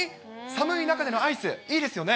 寒い中でのアイス、いいですよね。